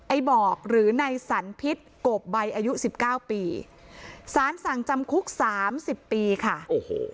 บอกหรือในสันพิษโกบใบอายุสิบเก้าปีสารสั่งจำคุกสามสิบปีค่ะโอ้โห